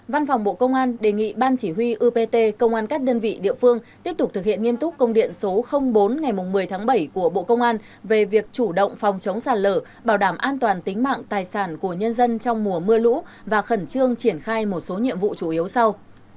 văn phòng bộ công an đề nghị ban chỉ huy upt công an các đơn vị địa phương tiếp tục thực hiện nghiêm túc công điện số bốn ngày một mươi tháng bảy của bộ công an về việc chủ động phòng chống sạt lở bảo đảm an toàn tính mạng tài sản của nhân dân trong mùa mưa lũ và khẩn trương triển khai một số nhiệm vụ chủ yếu sau